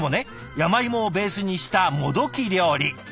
山芋をベースにしたもどき料理。